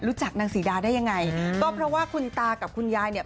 นางศรีดาได้ยังไงก็เพราะว่าคุณตากับคุณยายเนี่ย